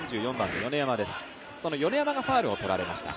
米山がファウルを取られました。